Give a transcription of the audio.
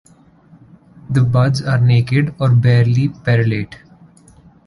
The buds are naked or barely perulate.